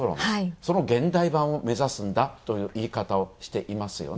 その現代版を目指すんだという言い方をしていますよね。